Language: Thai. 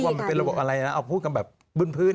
มันเป็นระบบอะไรนะเอาพูดกันแบบพื้น